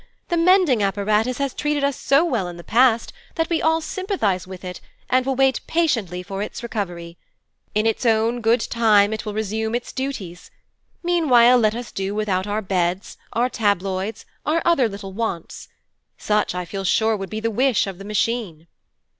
The Mending Apparatus has treated us so well in the past that we all sympathize with it, and will wait patiently for its recovery. In its own good time it will resume its duties. Meanwhile let us do without our beds, our tabloids, our other little wants. Such, I feel sure, would be the wish of the Machine.'